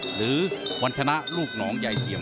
หรือวันชนะลูกหนองยายเทียม